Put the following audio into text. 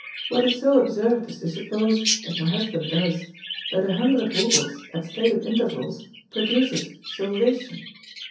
What is so absurd is to suppose, as my husband does, that a hundred roubles at stated intervals produces salvation.